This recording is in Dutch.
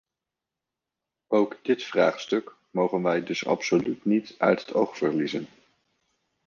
Ook dit vraagstuk mogen wij dus absoluut niet uit het oog verliezen.